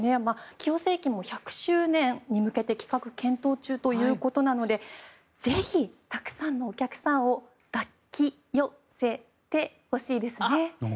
清瀬駅も１００周年に向けて企画を検討中ということでぜひ、たくさんのお客さんを抱きよせてほしいですね。